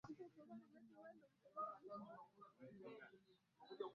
Sisi tunasherehekea uhuru wa nchi yetu kesho asubuhi.